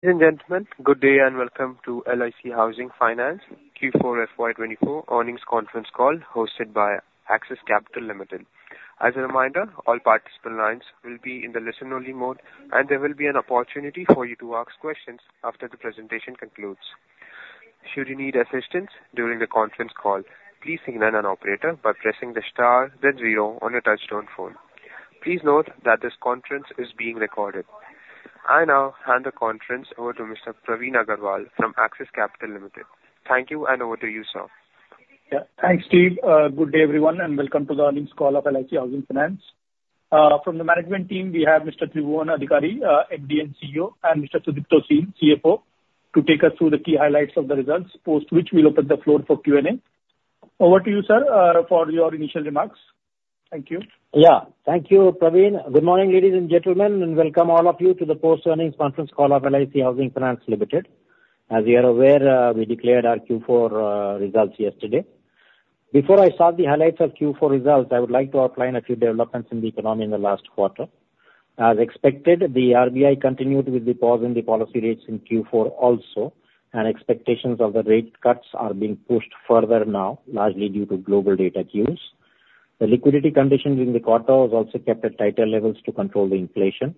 Ladies and gentlemen, good day and welcome to LIC Housing Finance Q4 FY24 Earnings Conference Call hosted by Axis Capital Limited. As a reminder, all participant lines will be in the listen-only mode, and there will be an opportunity for you to ask questions after the presentation concludes. Should you need assistance during the conference call, please signal an operator by pressing the star, then zero, on your touchtone phone. Please note that this conference is being recorded. I now hand the conference over to Mr. Praveen Agarwal from Axis Capital Limited. Thank you, and over to you, sir. Thanks, Steve. Good day, everyone, and welcome to the Earnings Call of LIC Housing Finance. From the management team, we have Mr. Tribhuwan Adhikari, MD & CEO, and Mr. Sudipto Sil, CFO, to take us through the key highlights of the results, post which we'll open the floor for Q&A. Over to you, sir, for your initial remarks. Thank you. Thank you, Praveen. Good morning, ladies and gentlemen, and welcome all of you to the post-earnings conference call of LIC Housing Finance Limited. As you are aware, we declared our Q4 results yesterday. Before I start the highlights of Q4 results, I would like to outline a few developments in the economy in the last quarter. As expected, the RBI continued with the pause in the policy rates in Q4 also, and expectations of the rate cuts are being pushed further now, largely due to global data cues. The liquidity conditions in the quarter were also kept at tighter levels to control the inflation.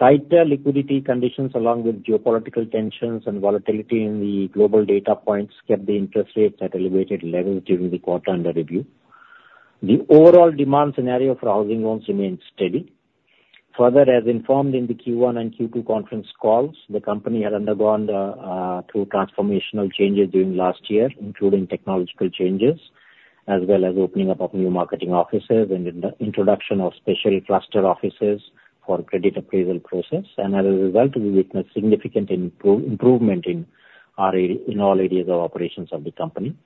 Tighter liquidity conditions, along with geopolitical tensions and volatility in the global data points, kept the interest rates at elevated levels during the quarter under review. The overall demand scenario for housing loans remained steady. Further, as informed in the Q1 and Q2 conference calls, the company had undergone two transformational changes during last year, including technological changes as well as opening up new marketing offices and introduction of special trustee offices for credit appraisal process. As a result, we witnessed significant improvement in all areas of operations of the company.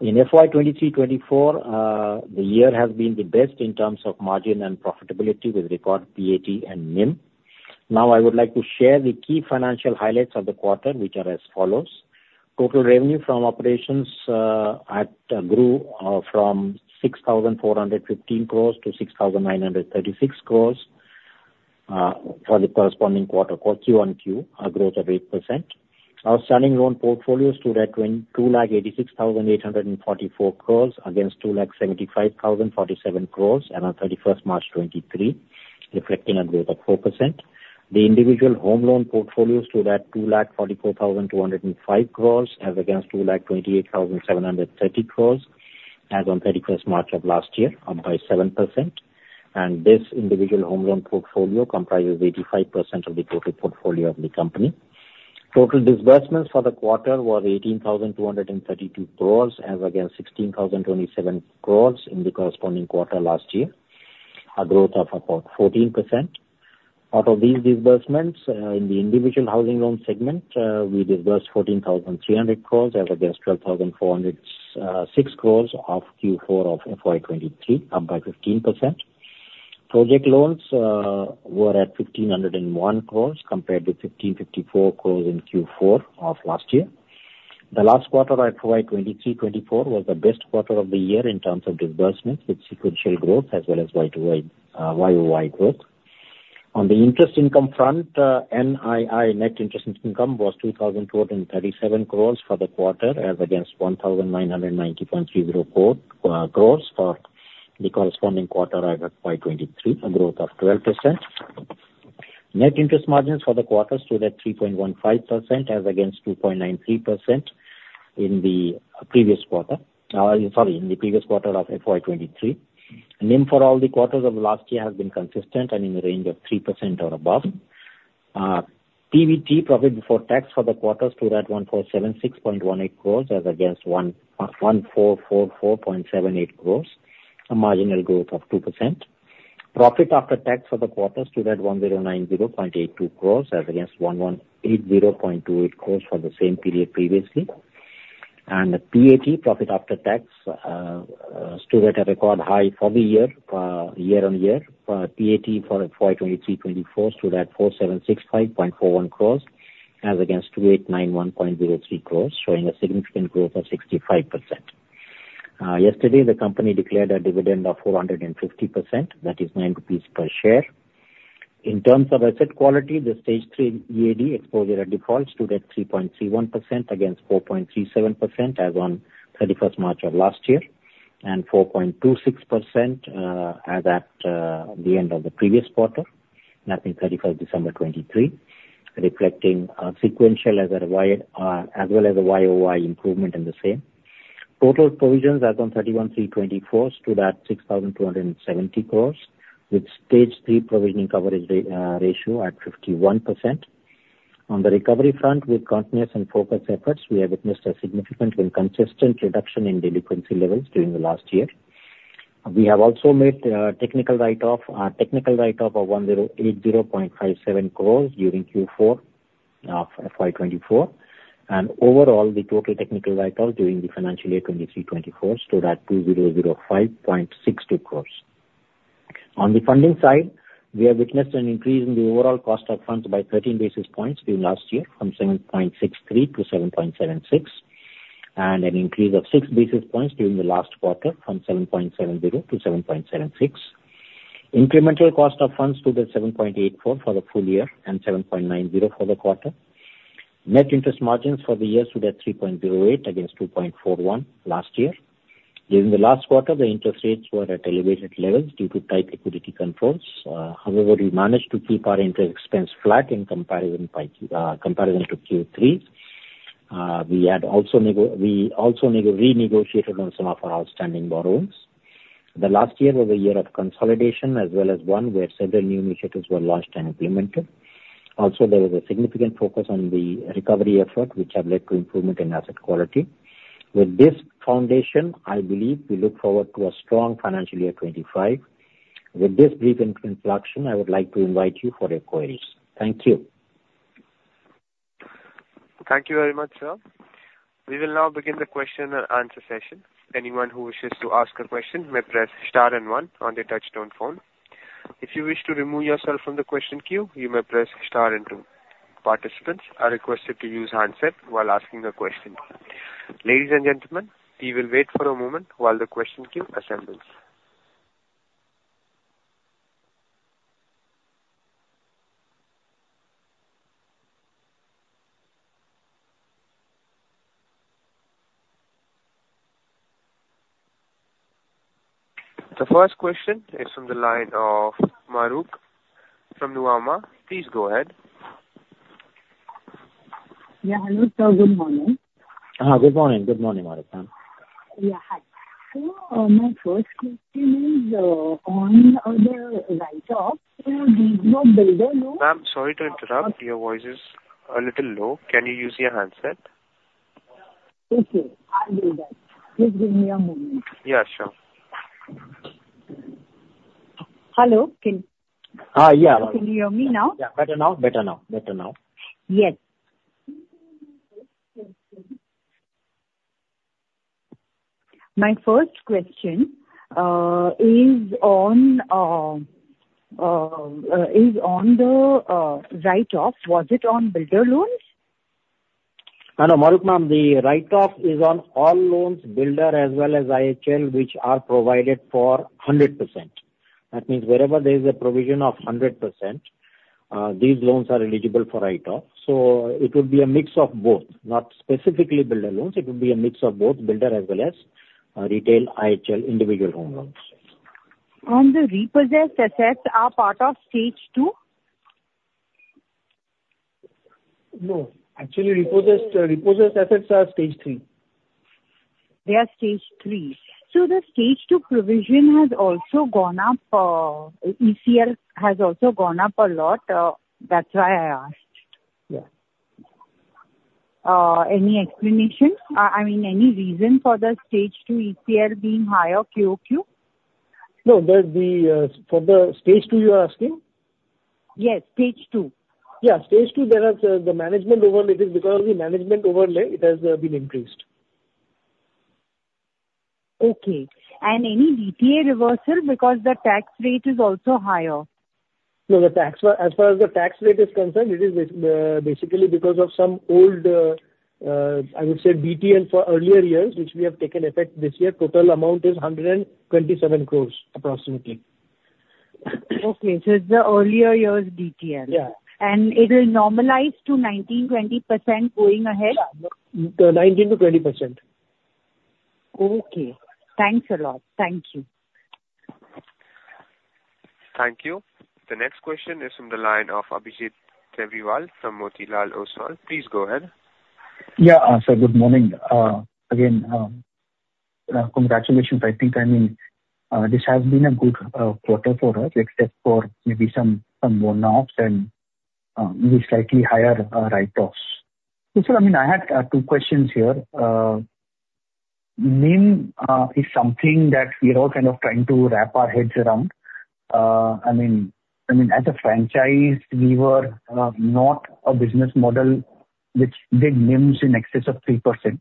In FY23-24, the year has been the best in terms of margin and profitability with record PAT and NIM. Now, I would like to share the key financial highlights of the quarter, which are as follows. Total revenue from operations grew from 6,415 crores to 6,936 crores for the corresponding quarter, QoQ, a growth of 8%. Outstanding loan portfolios stood at 286,844 crores against 275,047 crores on 31 March 2023, reflecting a growth of 4%. The individual home loan portfolios stood at 244,205 crores as against 228,730 crores as on 31 March of last year, up by 7%. This individual home loan portfolio comprises 85% of the total portfolio of the company. Total disbursements for the quarter were 18,232 crores as against 16,027 crores in the corresponding quarter last year, a growth of about 14%. Out of these disbursements, in the individual housing loan segment, we disbursed 14,300 crores as against 12,406 crores of Q4 of FY23, up by 15%. Project loans were at 1,501 crores compared to 1,554 crores in Q4 of last year. The last quarter of FY23-24 was the best quarter of the year in terms of disbursements, with sequential growth as well as YOY growth. On the interest income front, NII, net interest income, was 2,237 crore for the quarter as against 1,990.30 crore for the corresponding quarter of FY23, a growth of 12%. Net interest margins for the quarter stood at 3.15% as against 2.93% in the previous quarter sorry, in the previous quarter of FY23. NIM for all the quarters of last year has been consistent and in the range of 3% or above. PBT, profit before tax for the quarter, stood at 1,476.18 crore as against 1,444.78 crore, a marginal growth of 2%. Profit after tax for the quarter stood at 1,090.82 crore as against 1,180.28 crore for the same period previously. And PAT, profit after tax, stood at a record high for the year, year-on-year. PAT for FY23-24 stood at 4,765.41 crore as against 2,891.03 crore, showing a significant growth of 65%. Yesterday, the company declared a dividend of 450%. That is 9 rupees per share. In terms of asset quality, the stage III EAD exposure at default stood at 3.31% against 4.37% as on 31 March of last year and 4.26% as at the end of the previous quarter, that means 31 December 2023, reflecting sequential as well as a YOY improvement in the same. Total provisions as on 31 March 2024 stood at 6,270 crores, with stage III provisioning coverage ratio at 51%. On the recovery front, with continuous and focused efforts, we have witnessed a significant and consistent reduction in delinquency levels during the last year. We have also made technical write-off a technical write-off of 1,080.57 crores during Q4 of FY 2024. Overall, the total technical write-off during the financial year 2023-2024 stood at 2,005.62 crores. On the funding side, we have witnessed an increase in the overall cost of funds by 13 basis points during last year from 7.63 to 7.76 and an increase of 6 basis points during the last quarter from 7.70 to 7.76. Incremental cost of funds stood at 7.84 for the full year and 7.90 for the quarter. Net interest margins for the year stood at 3.08 against 2.41 last year. During the last quarter, the interest rates were at elevated levels due to tight liquidity controls. However, we managed to keep our interest expense flat in comparison to Q3. We also renegotiated on some of our outstanding borrowings. The last year was a year of consolidation as well as one where several new initiatives were launched and implemented. Also, there was a significant focus on the recovery effort, which has led to improvement in asset quality. With this foundation, I believe we look forward to a strong financial year 2025. With this brief introduction, I would like to invite you for your queries. Thank you. Thank you very much, sir. We will now begin the Q&A session. Anyone who wishes to ask a question may press star and one on their touch-tone phone. If you wish to remove yourself from the question queue, you may press star and two. Participants are requested to use handsets while asking a question. Ladies and gentlemen, we will wait for a moment while the question queue assembles. The first question is from the line of Mahrukh from Nuvama. Please go ahead. Hello, sir. Good morning. Good morning. Good morning, Mahrukh, ma'am. Hi. So my first question is on the write-off. Do these look builder loan? Ma'am, sorry to interrupt. Your voice is a little low. Can you use your handset? I will do that. Please give me a moment. Sure. Hello. Mahrukh. Can you hear me now? Better now. Better now. Better now. Yes. My first question is on the write-off. Was it on builder loans? No, Mahrukh, ma'am, the write-off is on all loans, builder as well as IHL, which are provided for 100%. That means wherever there is a provision of 100%, these loans are eligible for write-off. So it would be a mix of both, not specifically builder loans. It would be a mix of both, builder as well as retail IHL, individual home loans. On the repossessed assets, are part of Stage II? No. Actually, repossessed assets are Stage III. They are Stage III. So the Stage II provision has also gone up. ECL has also gone up a lot. That's why I asked. Any explanation? I mean, any reason for the Stage II ECL being higher QOQ? No. For the Stage II, you are asking? Yes, Stage II. Stage II, the Management Overlay, it is because of the Management Overlay, it has been increased. Any DTA reversal because the tax rate is also higher? No. As far as the tax rate is concerned, it is basically because of some old, I would say, DTA for earlier years, which we have taken effect this year. Total amount is 127 crore, approximately. So it's the earlier years DTA. And it will normalize to 19%-20% going ahead? 19%-20%. Thanks a lot. Thank you. Thank you. The next question is from the line of Abhijit Tibrewal from Motilal Oswal. Please go ahead. Good morning. Again, congratulations. I think, I mean, this has been a good quarter for us except for maybe some burn-offs and maybe slightly higher write-offs. So, sir, I mean, I had two questions here. NIM is something that we're all trying to wrap our heads around. I mean, as a franchise, we were not a business model which did NIMs in excess of 3%. So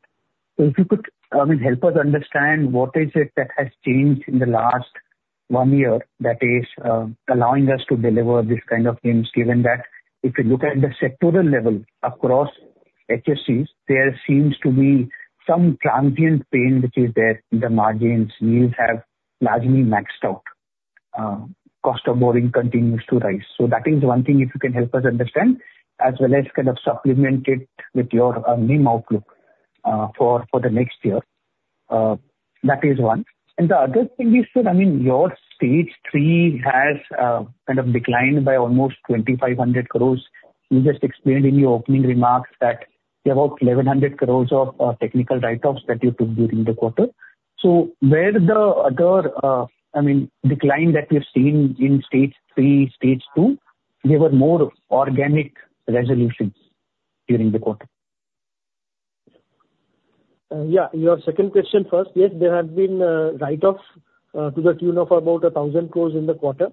if you could, I mean, help us understand what is it that has changed in the last one year that is allowing us to deliver this NIMs, given that if you look at the sectoral level across HFCs, there seems to be some transient pain, which is that the margins needs have largely maxed out. Cost of borrowing continues to rise. So that is one thing if you can help us understand as well as supplement it with your NIM outlook for the next year. That is one. And the other thing is, sir, I mean, your stage III has declined by almost 2,500 crore. You just explained in your opening remarks that you have about 1,100 crore of technical write-offs that you took during the quarter. So where the other, I mean, decline that we've seen in stage III, stage II, there were more organic resolutions during the quarter. Your second question first, yes, there have been write-offs to the tune of about 1,000 crore in the quarter.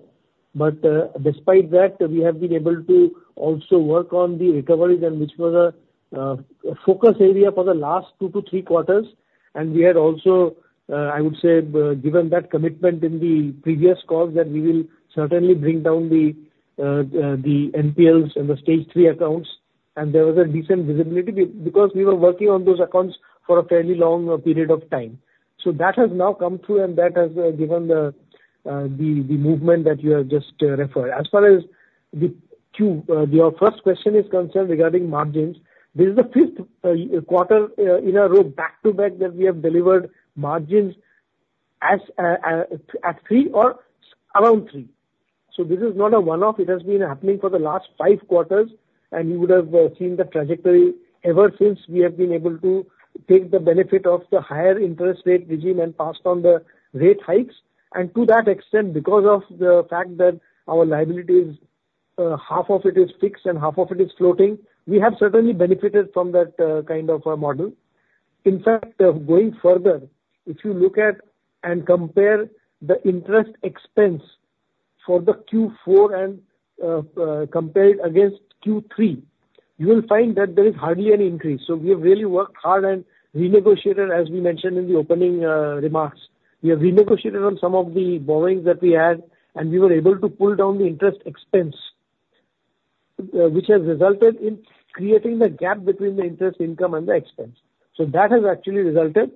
But despite that, we have been able to also work on the recoveries and which was a focus area for the last 2-3 quarters. And we had also, I would say, given that commitment in the previous calls that we will certainly bring down the NPLs and the Stage III accounts. And there was a decent visibility because we were working on those accounts for a fairly long period of time. So that has now come through, and that has given the movement that you have just referred. As far as your first question is concerned regarding margins, this is the fifth quarter in a row, back to back, that we have delivered margins at 3% or around 3%. So this is not a one-off. It has been happening for the last five quarters, and you would have seen the trajectory ever since we have been able to take the benefit of the higher interest rate regime and pass on the rate hikes. And to that extent, because of the fact that our liabilities, half of it is fixed and half of it is floating, we have certainly benefited from that model. In fact, going further, if you look at and compare the interest expense for the Q4 compared against Q3, you will find that there is hardly any increase. So we have really worked hard and renegotiated, as we mentioned in the opening remarks. We have renegotiated on some of the borrowings that we had, and we were able to pull down the interest expense, which has resulted in creating the gap between the interest income and the expense. So that has actually resulted.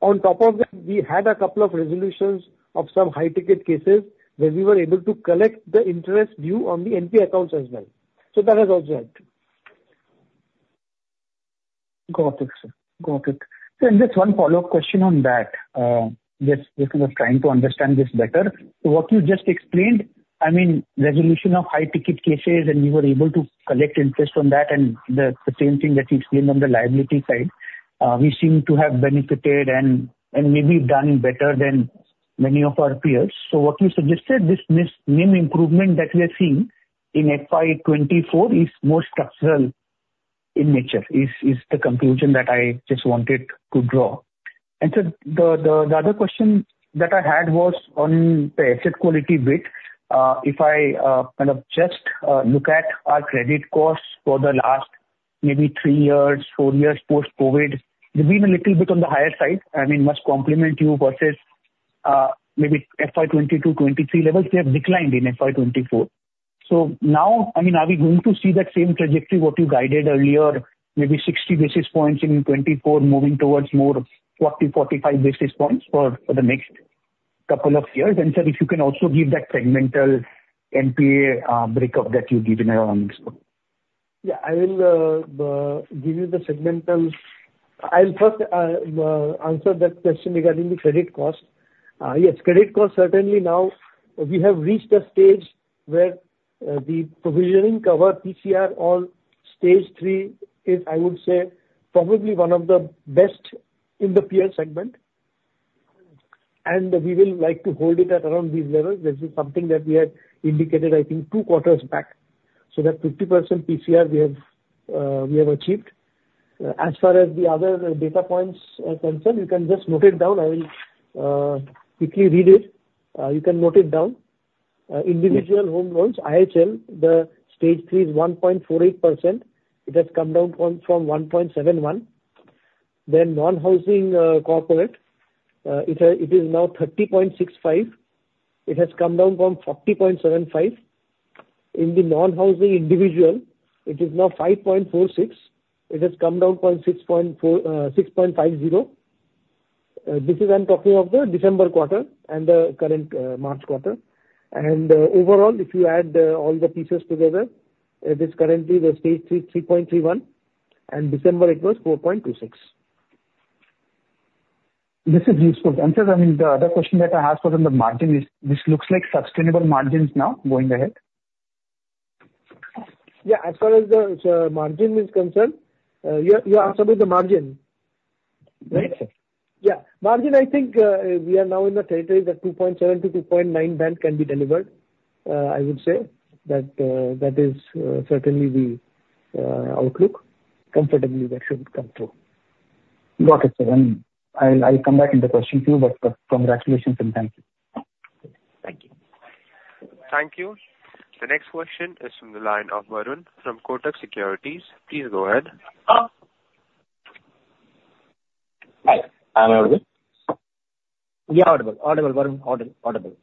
On top of that, we had a couple of resolutions of some high-ticket cases where we were able to collect the interest due on the NP accounts as well. So that has also helped. Got it, sir. Got it. Sir, and just one follow-up question on that. Just trying to understand this better. So what you just explained, I mean, resolution of high-ticket cases, and you were able to collect interest on that, and the same thing that you explained on the liability side, we seem to have benefited and maybe done better than many of our peers. So what you suggested, this NIM improvement that we are seeing in FY24 is more structural in nature, is the conclusion that I just wanted to draw. And sir, the other question that I had was on the asset quality bit. If I just look at our credit costs for the last maybe three years, four years post-COVID, they've been a little bit on the higher side. I mean, I must compliment you versus maybe FY22, 2023 levels. They have declined in FY24. Now, I mean, are we going to see that same trajectory, what you guided earlier, maybe 60 basis points in 2024 moving towards more 40-45 basis points for the next couple of years? And sir, if you can also give that segmental NPA breakup that you give in your earnings report. I will give you the segmentals. I'll first answer that question regarding the credit cost. Yes, credit cost, certainly now, we have reached a stage where the provisioning coverage PCR on stage III is, I would say, probably one of the best in the peer segment. And we will like to hold it at around these levels. This is something that we had indicated, I think, two quarters back. So that 50% PCR we have achieved. As far as the other data points concern, you can just note it down. I will quickly read it. You can note it down. Individual home loans, IHL, the stage III is 1.48%. It has come down from 1.71. Then non-housing corporate, it is now 30.65. It has come down from 40.75. In the non-housing individual, it is now 5.46. It has come down from 6.50. This is, I'm talking of the December quarter and the current March quarter. Overall, if you add all the pieces together, it is currently the Stage III, 3.31. In December, it was 4.26. This is useful. Sir, I mean, the other question that I asked was on the margins. This looks like sustainable margins now going ahead. As far as the margin is concerned, you asked about the margin, right? Yes, sir. Margin, I think we are now in the territory that 2.7%-2.9% band can be delivered, I would say. That is certainly the outlook. Comfortably, that should come through. Got it, sir. And I'll come back in the question queue, but congratulations and thank you. Thank you. Thank you. The next question is from the line of Varun from Kotak Securities. Please go ahead. Hi. I'm audible? Audible. Audible, Varun. Audible.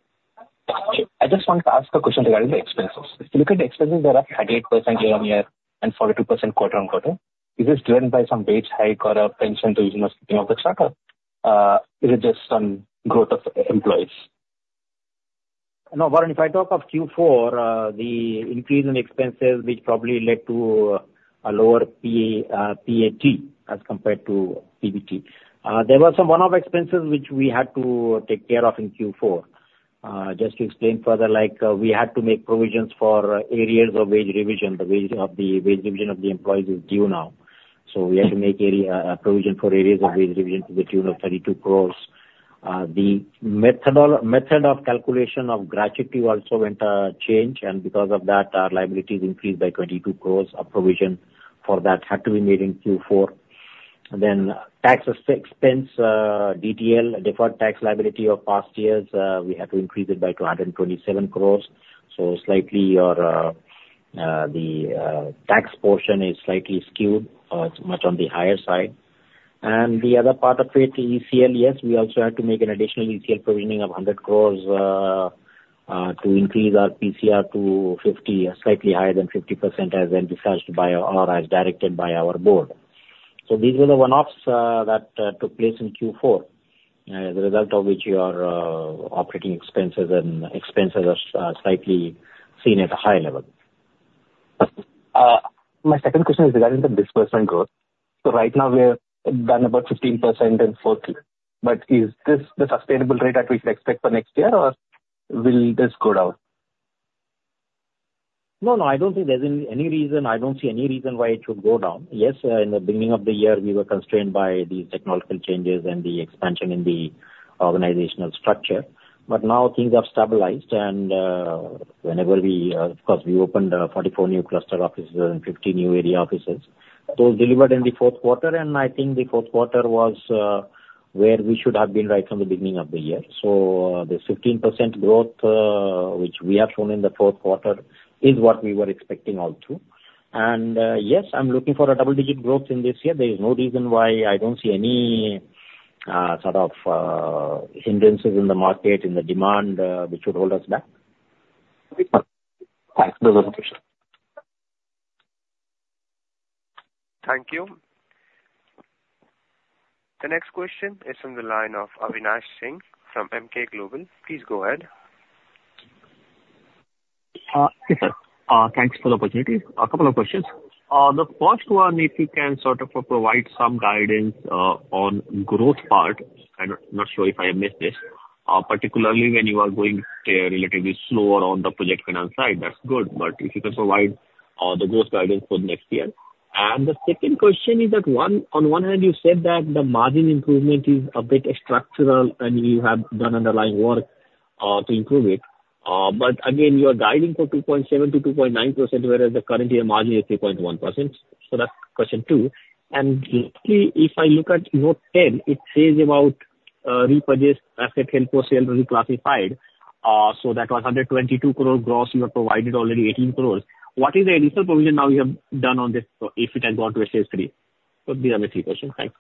I just wanted to ask a question regarding the expenses. If you look at the expenses, they're up 38% year-over-year and 42% quarter-over-quarter. Is this driven by some wage hike or a pension provision or something of the startup? Is it just on growth of employees? No, Varun, if I talk of Q4, the increase in expenses which probably led to a lower PAT as compared to PBT. There was some one-off expenses which we had to take care of in Q4. Just to explain further, we had to make provisions for areas of wage revision. The wage revision of the employees is due now. So we had to make a provision for areas of wage revision to the tune of 32 crore. The method of calculation of gratuity also went to change. And because of that, our liabilities increased by 22 crore. A provision for that had to be made in Q4. Then tax expense, DTL, deferred tax liability of past years, we had to increase it by 227 crore. So slightly, the tax portion is slightly skewed, much on the higher side. The other part of it, ECL, yes, we also had to make an additional ECL provisioning of 100 crore to increase our PCR to 50, slightly higher than 50% as then discussed by or as directed by our board. These were the one-offs that took place in Q4, as a result of which your operating expenses and expenses are slightly seen at a higher level. My second question is regarding the disbursement growth. So right now, we have done about 15% in 2024. But is this the sustainable rate that we should expect for next year, or will this go down? No, no. I don't think there's any reason. I don't see any reason why it should go down. Yes, in the beginning of the year, we were constrained by these technological changes and the expansion in the organizational structure. But now, things have stabilized. And whenever we, of course, we opened 44 new cluster offices and 50 new area offices. Those delivered in the Q4. And I think the Q4 was where we should have been right from the beginning of the year. So the 15% growth which we have shown in the Q4 is what we were expecting all through. And yes, I'm looking for a double-digit growth in this year. There is no reason why I don't see any hindrances in the market, in the demand, which would hold us back. Thanks. Those are the questions. Thank you. The next question is from the line of Avinash Singh from MEmkay Global. Please go ahead. Yes, sir. Thanks for the opportunity. A couple of questions. The first one, if you can provide some guidance on growth part, I'm not sure if I have missed this, particularly when you are going relatively slower on the project finance side, that's good. But if you can provide the growth guidance for the next year. And the second question is that, on one hand, you said that the margin improvement is a bit structural, and you have done underlying work to improve it. But again, you are guiding for 2.7%-2.9%, whereas the current year margin is 3.1%. So that's question two. And if I look at note 10, it says about repossessed asset held for sale reclassified. So that was 122 crore gross. You have provided already 18 crores. What is the initial provision now you have done on this if it has gone to Stage III? So these are my three questions. Thanks.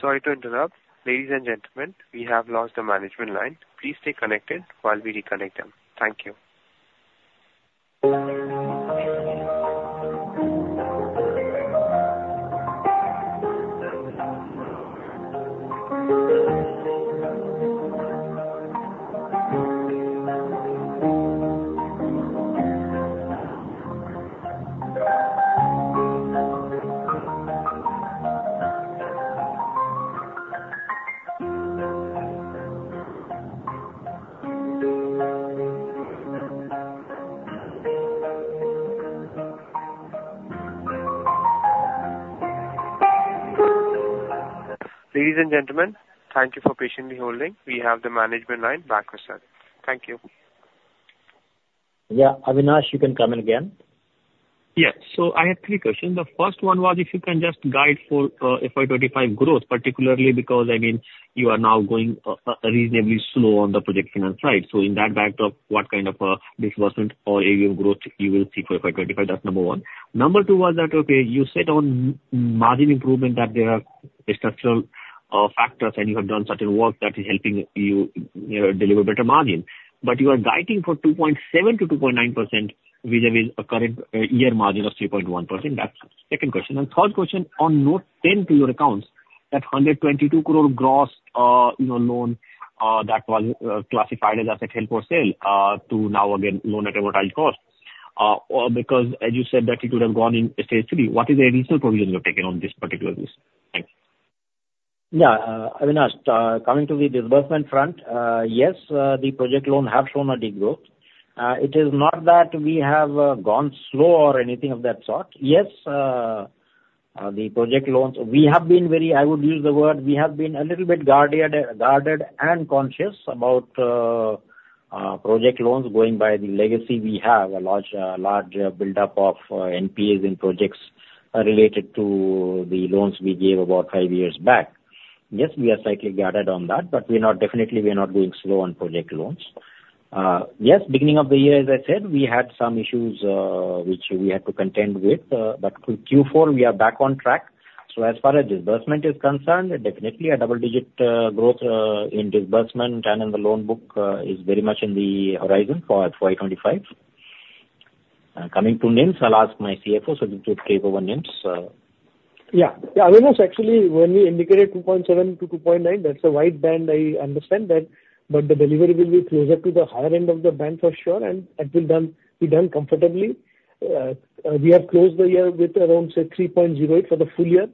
Sorry to interrupt. Ladies and gentlemen, we have lost the management line. Please stay connected while we reconnect them. Thank you. Ladies and gentlemen, thank you for patiently holding. We have the management line back with sir. Thank you. Avinash, you can come in again. Yes. So I had three questions. The first one was if you can just guide for FY25 growth, particularly because, I mean, you are now going reasonably slow on the project finance side. So in that backdrop, what disbursement or AUM growth you will see for FY25? That's number one. Number two was that, you said on margin improvement that there are structural factors, and you have done certain work that is helping you deliver better margin. But you are guiding for 2.7%-2.9% vis-à-vis a current year margin of 3.1%. That's second question. Third question, on note 10 to your accounts, that 122 crore gross loan that was classified as asset held for sale to now, again, loan at amortized cost, because as you said that it would have gone in stage III, what is the additional provision you have taken on this particular list? Thanks. Avinash, coming to the disbursement front, yes, the project loans have shown a de-growth. It is not that we have gone slow or anything of that sort. Yes, the project loans, we have been very. I would use the word we have been a little bit guarded and conscious about project loans going by the legacy we have, a large buildup of NPAs in projects related to the loans we gave about five years back. Yes, we are slightly guarded on that, but definitely, we are not going slow on project loans. Yes, beginning of the year, as I said, we had some issues which we had to contend with. But Q4, we are back on track. So as far as disbursement is concerned, definitely a double-digit growth in disbursement and in the loan book is very much in the horizon for FY25. Coming to NIMS, I'll ask my CFO so they could take over NIMS. Avinash, actually, when we indicated 2.7-2.9, that's a wide band, I understand that. But the delivery will be closer to the higher end of the band for sure, and it will be done comfortably. We have closed the year with around, say, 3.08 for the full year.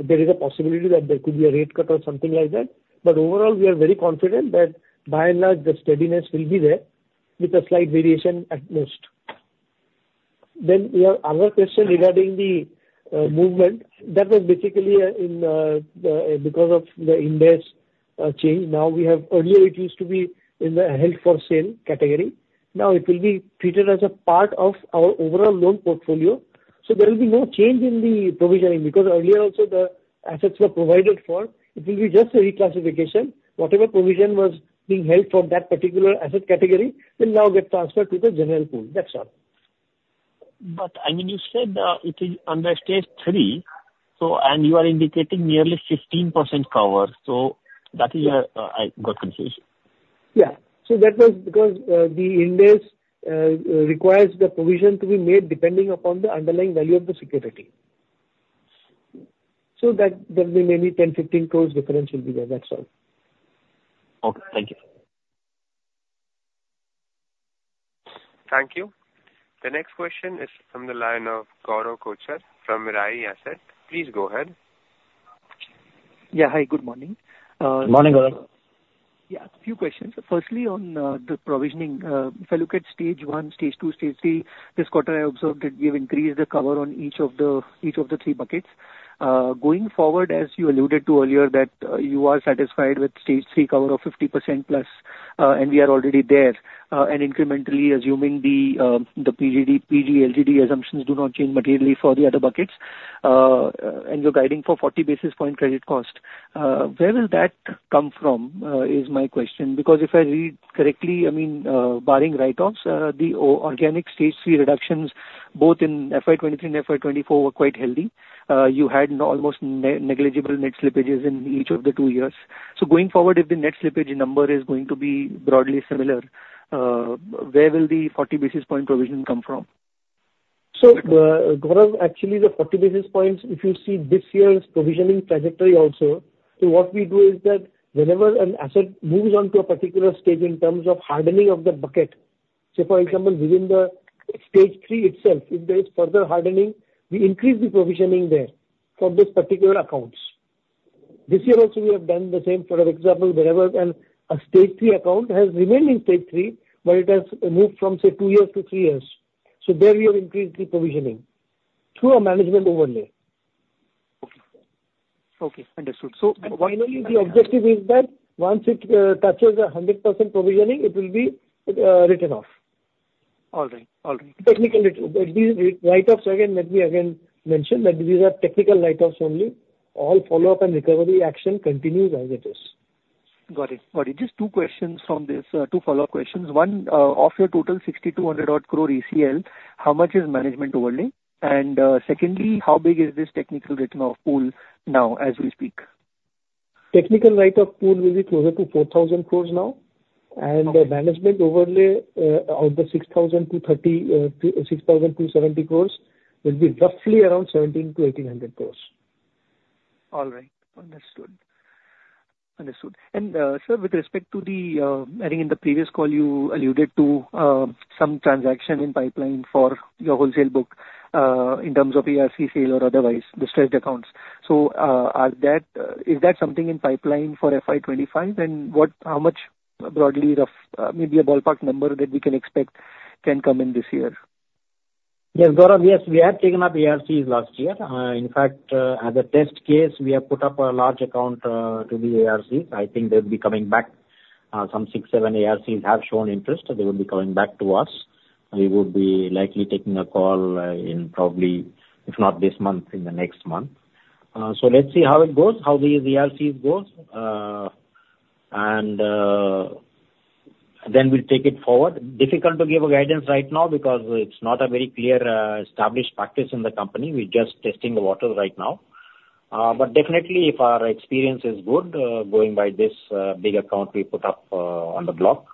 There is a possibility that there could be a rate cut or something like that. But overall, we are very confident that by and large, the steadiness will be there with a slight variation at most. Then our question regarding the movement, that was basically because of the index change. Now, earlier, it used to be in the held for sale category. Now, it will be treated as a part of our overall loan portfolio. So there will be no change in the provisioning because earlier also, the assets were provided for. It will be just a reclassification. Whatever provision was being held for that particular asset category will now get transferred to the general pool. That's all. But I mean, you said it is under Stage III, and you are indicating nearly 15% cover. So that is where I got confusion. So that was because the index requires the provision to be made depending upon the underlying value of the security. So there will be maybe 10 crores-15 crores difference will be there. That's all. Thank you. Thank you. The next question is from the line of Gaurav Kochar from Mirae Asset. Please go ahead. Hi. Good morning. Morning, Gaurav. A few questions. Firstly, on the provisioning, if I look at Stage I, Stage II, Stage III, this quarter, I observed that we have increased the cover on each of the three buckets. Going forward, as you alluded to earlier, that you are satisfied with Stage III cover of 50% plus, and we are already there. And incrementally, assuming the PD, LGD assumptions do not change materially for the other buckets, and you're guiding for 40 basis point credit cost, where will that come from is my question. Because if I read correctly, I mean, I mean, barring write-offs, the organic Stage III reductions, both in FY2023 and FY2024, were quite healthy. You had almost negligible net slippages in each of the two years. So going forward, if the net slippage number is going to be broadly similar, where will the 40 basis point provision come from? So Gaurav, actually, the 40 basis points, if you see this year's provisioning trajectory also, so what we do is that whenever an asset moves onto a particular stage in terms of hardening of the bucket, say, for example, within the Stage III itself, if there is further hardening, we increase the provisioning there for these particular accounts. This year also, we have done the same. For example, whenever a Stage III account has remained in Stage III, but it has moved from, say, two years to three years. So there, we have increased the provisioning through a management overlay. Understood. So what? Finally, the objective is that once it touches 100% provisioning, it will be written off. All right. Technical write-offs, again, let me again mention that these are Technical write-offs only. All follow-up and recovery action continues as it is. Got it. Just two questions from this, two follow-up questions. One, off your total 6,200-odd crore ECL, how much is management overlay? And secondly, how big is this technical write-off pool now as we speak? Technical Write-off pool will be closer to 4,000 crore now. The Management Overlay of the 6,270 crore will be roughly around 1,700-1,800 crore. All right. Understood. Understood. And sir, with respect to the, I think, in the previous call, you alluded to some transaction in pipeline for your wholesale book in terms of ARC sale or otherwise, the stretched accounts. So is that something in pipeline for FY25? And how much broadly, maybe a ballpark number that we can expect can come in this year? Yes, Gaurav, yes, we have taken up ARCs last year. In fact, as a test case, we have put up a large account to the ARCs. I think they'll be coming back. Some 6, 7 ARCs have shown interest. They will be coming back to us. We would be likely taking a call in probably, if not this month, in the next month. So let's see how it goes, how these ARCs go. And then we'll take it forward. Difficult to give a guidance right now because it's not a very clear established practice in the company. We're just testing the waters right now. But definitely, if our experience is good going by this big account we put up on the block,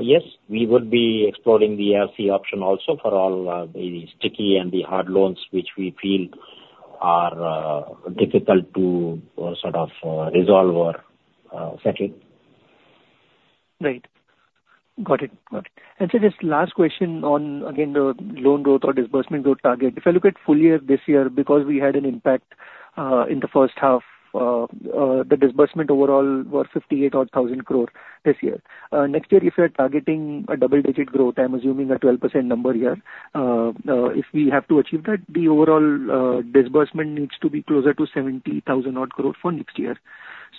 yes, we would be exploring the ARC option also for all the sticky and the hard loans which we feel are difficult to resolve or settle. Right. Got it. Got it. And sir, just last question on, again, the loan growth or disbursement growth target. If I look at full year this year, because we had an impact in the H1, the disbursement overall were 58,000-odd crore this year. Next year, if you are targeting a double-digit growth, I'm assuming a 12% number here. If we have to achieve that, the overall disbursement needs to be closer to 70,000-odd crore for next year.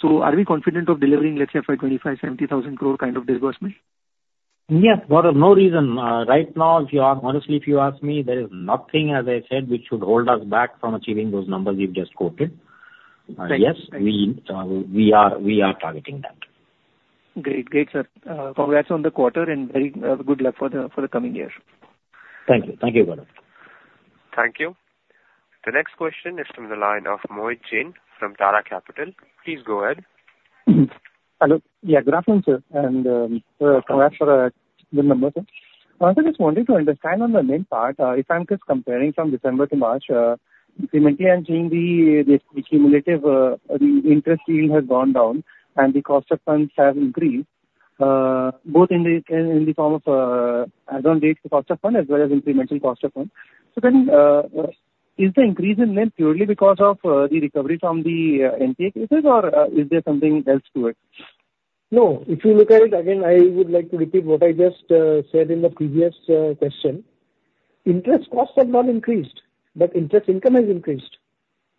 So are we confident of delivering, let's say, FY25, 70,000 crore disbursement? Yes, Gaurav, no reason. Right now, honestly, if you ask me, there is nothing, as I said, which should hold us back from achieving those numbers you've just quoted. Yes, we are targeting that. Great. Great, sir. Congrats on the quarter and very good luck for the coming year. Thank you. Thank you, Gaurav. Thank you. The next question is from the line of Mohit Jain from Tara Capital. Please go ahead. Hello. Good afternoon, sir. And congrats for a good number, sir. Sir, I just wanted to understand on the main part, if I'm just comparing from December to March, incrementally I'm seeing the accumulative interest yield has gone down, and the cost of funds have increased, both in the form of add-on rates, the cost of fund, as well as incremental cost of fund. So then, is the increase in them purely because of the recovery from the NPA cases, or is there something else to it? No. If you look at it, again, I would like to repeat what I just said in the previous question. Interest costs have not increased, but interest income has increased.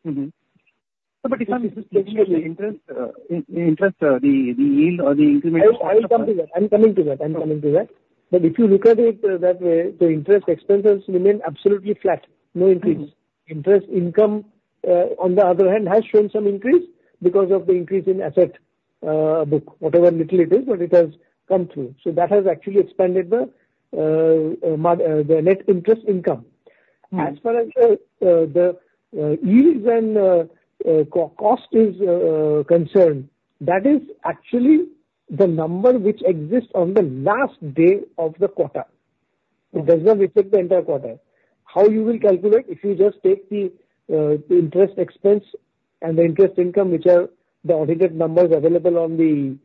But if I'm just looking at the interest, the yield, or the incremental cost of funds. I'm coming to that. I'm coming to that. I'm coming to that. But if you look at it that way, the interest expenses remain absolutely flat. No increase. Interest income, on the other hand, has shown some increase because of the increase in asset book, whatever little it is, but it has come through. So that has actually expanded the net interest income. As far as the yields and cost is concerned, that is actually the number which exists on the last day of the quarter. It does not reflect the entire quarter. How you will calculate if you just take the interest expense and the interest income, which are the audited numbers available along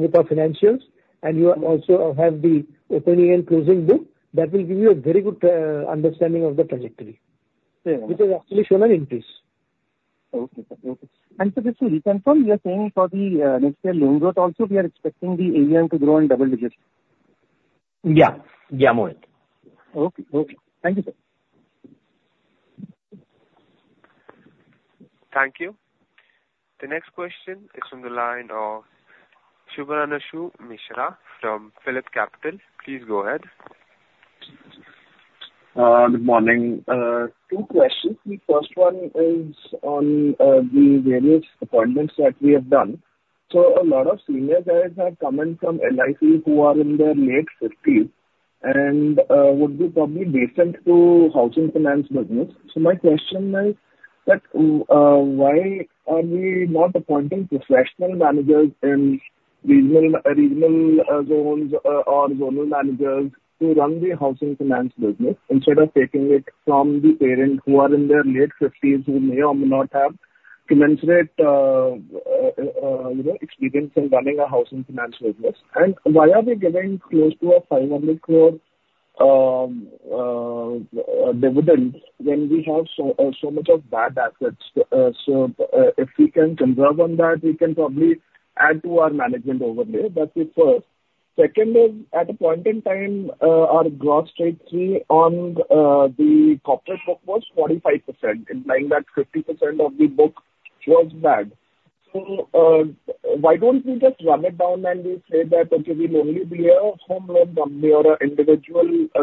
with our financials, and you also have the opening and closing book, that will give you a very good understanding of the trajectory, which has actually shown an increase. Sir, just to reconfirm, you are saying for the next year loan growth also, we are expecting the AUM to grow in double digits? Mohit. Thank you, sir. Thank you. The next question is from the line of Subhankar Mishra from PhilipCapital. Please go ahead. Good morning. Two questions. The first one is on the various appointments that we have done. So a lot of senior guys have come in from LIC who are in their late 50s and would be probably decent to housing finance business. So my question is that why are we not appointing professional managers in regional zones or zonal managers to run the housing finance business instead of taking it from the parents who are in their late 50s, who may or may not have commensurate experience in running a housing finance business? And why are we giving close to an 500 crore dividend when we have so much of bad assets? So if we can conserve on that, we can probably add to our management overlay. That's the first. Second is, at a point in time, our gross Stage III on the corporate book was 45%, implying that 50% of the book was bad. So why don't we just run it down and we say that, "Okay, we'll only be a home loan company or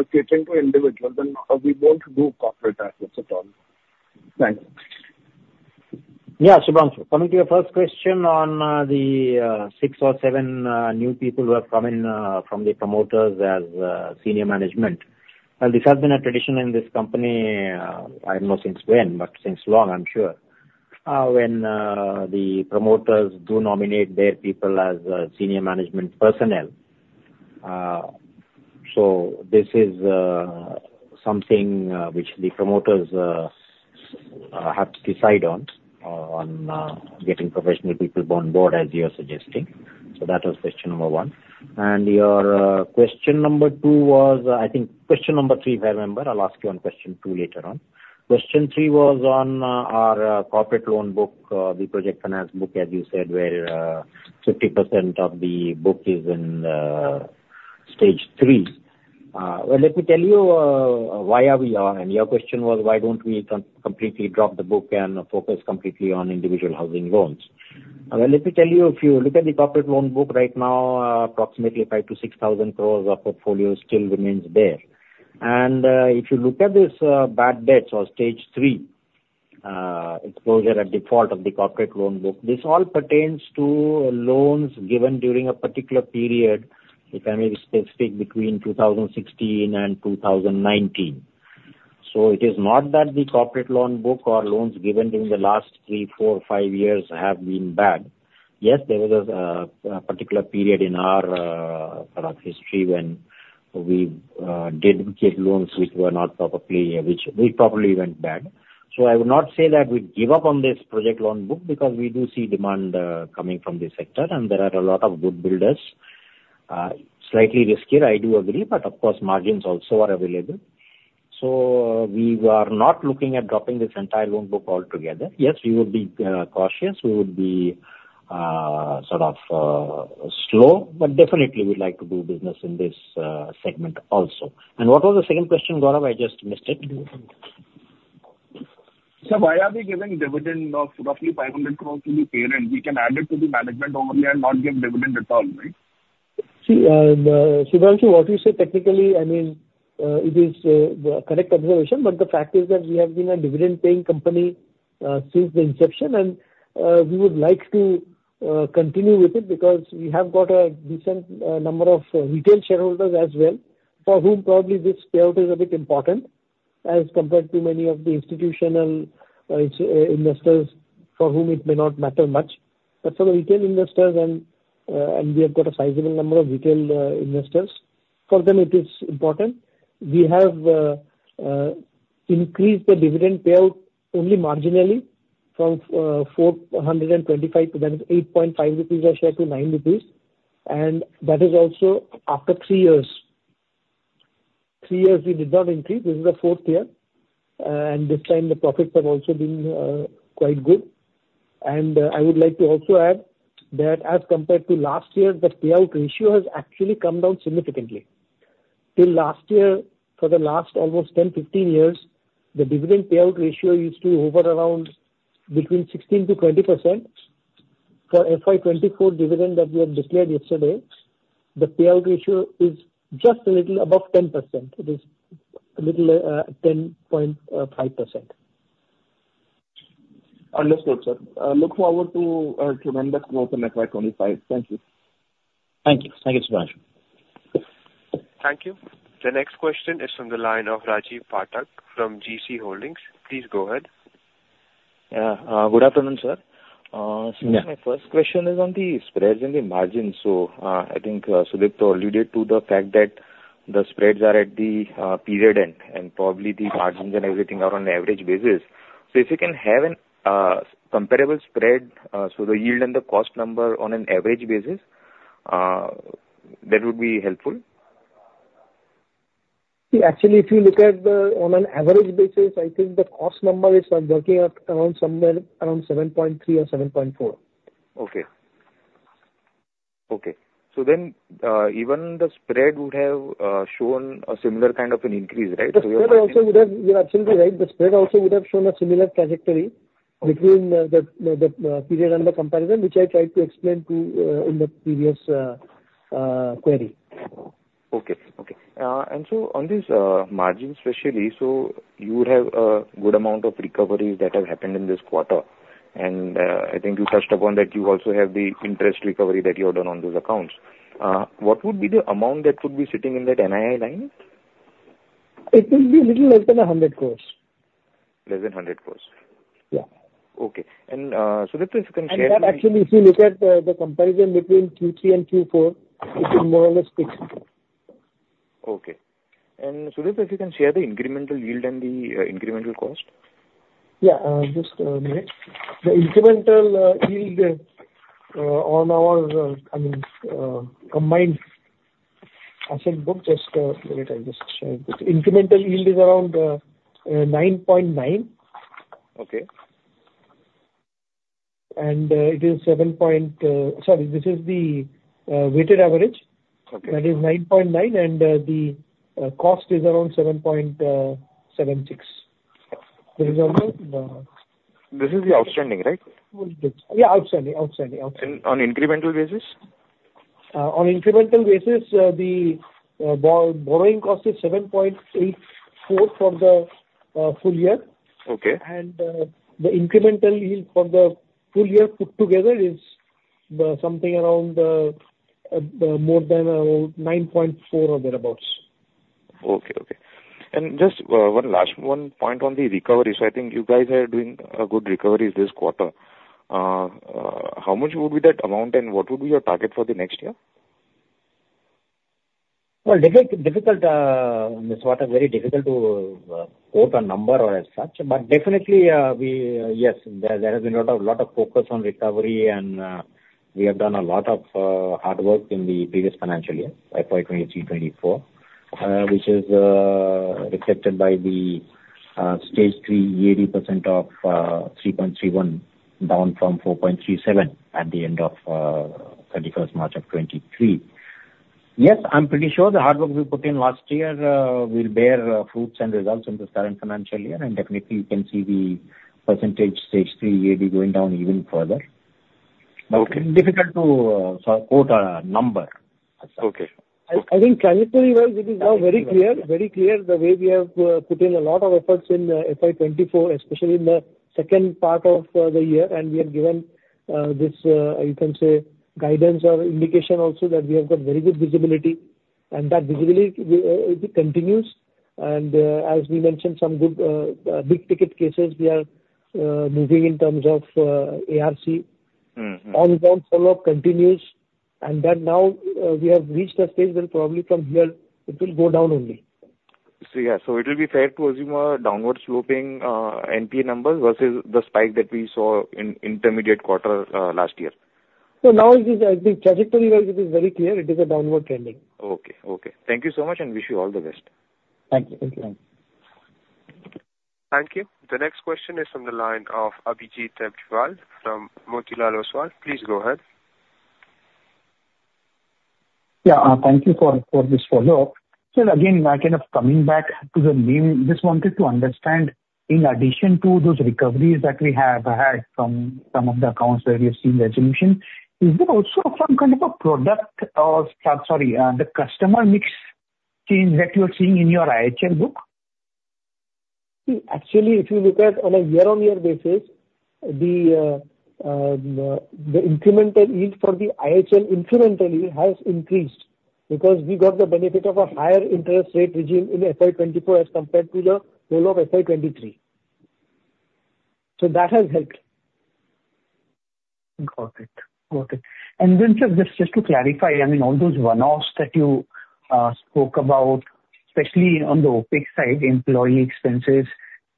catering to individuals, and we won't do corporate assets at all"? Thanks. Subhan Anashu, coming to your first question on the 6 or 7 new people who have come in from the promoters as senior management. This has been a tradition in this company - I don't know since when, but since long, I'm sure - when the promoters do nominate their people as senior management personnel. So this is something which the promoters have to decide on, on getting professional people on board, as you are suggesting. So that was question number 1. And your question number 2 was I think question number 3, if I remember, I'll ask you on question 2 later on. Question 3 was on our corporate loan book, the project finance book, as you said, where 50% of the book is in stage III. Let me tell you why we are. Your question was, "Why don't we completely drop the book and focus completely on individual housing loans?" Let me tell you, if you look at the corporate loan book right now, approximately 5,000 crore-6,000 crore of portfolio still remains there. And if you look at this bad debts or stage III exposure at default of the corporate loan book, this all pertains to loans given during a particular period, if I may be specific, between 2016 and 2019. So it is not that the corporate loan book or loans given during the last three, four, five years have been bad. Yes, there was a particular period in our history when we did get loans which were not properly which probably went bad. So I would not say that we'd give up on this project loan book because we do see demand coming from this sector, and there are a lot of good builders, slightly riskier, I do agree, but of course, margins also are available. So we are not looking at dropping this entire loan book altogether. Yes, we would be cautious. We would be slow, but definitely, we'd like to do business in this segment also. And what was the second question, Gaurav? I just missed it. Sir, why are we giving dividend of roughly 500 crore to the parent? We can add it to the management overlay and not give dividend at all, right? See, Subhan Anashu, what you said technically, I mean, it is a correct observation. But the fact is that we have been a dividend-paying company since the inception, and we would like to continue with it because we have got a decent number of retail shareholders as well, for whom probably this payout is a bit important as compared to many of the institutional investors for whom it may not matter much. But for the retail investors, and we have got a sizable number of retail investors, for them, it is important. We have increased the dividend payout only marginally from 425, that is, 8.5 rupees a share to 9 rupees. And that is also after three years. Three years, we did not increase. This is the fourth year. And this time, the profits have also been quite good. I would like to also add that as compared to last year, the payout ratio has actually come down significantly. Till last year, for the last almost 10, 15 years, the dividend payout ratio used to hover around between 16%-20%. For FY24 dividend that we have declared yesterday, the payout ratio is just a little above 10%. It is a little 10.5%. Understood, sir. Look forward to tremendous growth in FY25. Thank you. Thank you. Thank you, Subhan Anashu. Thank you. The next question is from the line of Rajiv Pathak from GeeCee Holdings. Please go ahead. Good afternoon, sir. My first question is on the spreads and the margins. So I think Sudipto already alluded to the fact that the spreads are at the period end and probably the margins and everything are on an average basis. So if you can have a comparable spread, so the yield and the cost number on an average basis, that would be helpful. See, actually, if you look at the on an average basis, I think the cost number is working out around somewhere around 7.3 or 7.4. So then even the spread would have shown a similar ]an increase, right? So you have. The spread also would have, you're absolutely right. The spread also would have shown a similar trajectory between the period and the comparison, which I tried to explain to in the previous query. On this margin especially, so you would have a good amount of recoveries that have happened in this quarter. And I think you touched upon that you also have the interest recovery that you have done on those accounts. What would be the amount that would be sitting in that NII line? It would be a little less than 100 crore. Less than 100 crore? Yeah. Sudipto, if you can share the. Actually, if you look at the comparison between Q3 and Q4, it is more or less 6. Sudipto, if you can share the incremental yield and the incremental cost? Just a minute. The incremental yield on our, I mean, combined asset book, just a minute. I'll just share it. Incremental yield is around 9.9. And it is 7.0, sorry, this is the weighted average. That is 9.9, and the cost is around 7.76. This is all the. This is the outstanding, right? Yes, outstanding. On incremental basis? On incremental basis, the borrowing cost is 7.84 for the full year. And the incremental yield for the full year put together is something around more than 9.4 or thereabouts. Just one last point on the recoveries. I think you guys are doing a good recoveries this quarter. How much would be that amount, and what would be your target for the next year? Difficult, Mr. Pathak. Very difficult to quote a number or as such. But definitely, yes, there has been a lot of focus on recovery, and we have done a lot of hard work in the previous financial year, FY23/24, which is reflected by the Stage III, 80% of 3.31 down from 4.37 at the end of 31st March of 2023. Yes, I'm pretty sure the hard work we put in last year will bear fruits and results in this current financial year. And definitely, you can see the percentage Stage III, 80% going down even further. But difficult to quote a number as such. I think trajectory-wise, it is now very clear, very clear, the way we have put in a lot of efforts in FY2024, especially in the second part of the year. And we are given this, you can say, guidance or indication also that we have got very good visibility. And that visibility, it continues. And as we mentioned, some good big-ticket cases, we are moving in terms of ARC. Ongoing follow-up continues. And that now we have reached a stage where probably from here, it will go down only. It will be fair to assume a downward sloping NPA numbers versus the spike that we saw in the interim quarter last year? So now, I think trajectory-wise, it is very clear. It is a downward trending. Thank you so much, and wish you all the best. Thank you. Thank you. The next question is from the line of Abhijit Devjal from Motilal Oswal. Please go ahead. Thank you for this follow-up. Sir, again, coming back to the NIM, just wanted to understand, in addition to those recoveries that we have had from some of the accounts where we have seen resolution, is there also some a product or sorry, the customer mix change that you are seeing in your IHL book? See, actually, if you look at on a year-on-year basis, the incremental yield for the IHL, incremental yield, has increased because we got the benefit of a higher interest rate regime in FY24 as compared to the whole of FY23. So that has helped. Got it. Sir, just to clarify, I mean, all those one-offs that you spoke about, especially on the OpEx side, employee expenses,